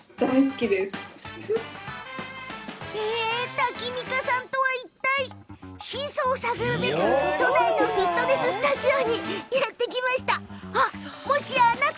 タキミカさんとはいったい真相を探るべく都内のフィットネススタジオにやって来ました。